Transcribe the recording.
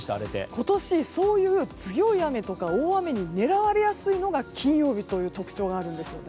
今年そういう強い雨とか大雨に狙われやすいのが金曜日という特徴があるんです。